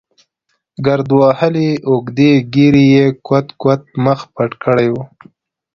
ګرد وهلې اوږدې ږېرې یې کوت کوت مخ پټ کړی و.